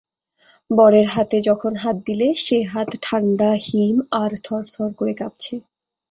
বরের হাতে যখন হাত দিলে সে হাত ঠাণ্ডা হিম, আর থরথর করে কাঁপছে।